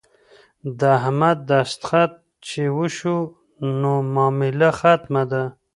د احمد دستخط چې وشو نو معامله ختمه ده.